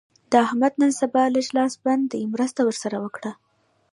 د احمد نن سبا لږ لاس بند دی؛ مرسته ور سره وکړه.